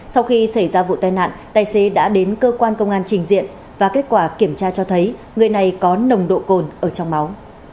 sau khi xảy ra vụ tai nạn tài xế đã đến cơ quan công an trình diện và kết quả kiểm tra cho thấy người này có nồng độ cồn ở trong máu